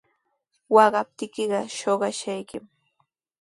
Waqaptiykiqa shuqashqaykimi.